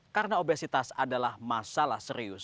karena obesitas adalah masalah serius